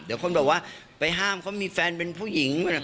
เดี๋ยวคนแบบว่าไปห้ามเขามีแฟนเป็นผู้หญิง